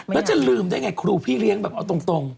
แล้วจะลืมได้ไงครูพี่เลี้ยงแบบเอาตรง